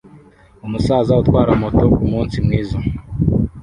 Umusaza utwara moto kumunsi mwiza